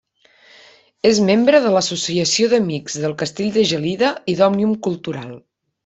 És membre de l'Associació d'Amics del Castell de Gelida i d'Òmnium Cultural.